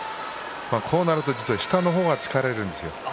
こうなると下の方が疲れるんですよ